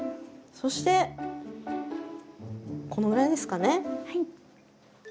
そしてこのぐらいですかね。